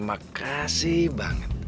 eh mau kemana